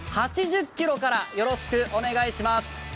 ８０キロからよろしくお願いします。